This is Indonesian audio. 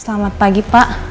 selamat pagi pak